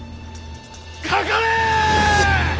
かかれ！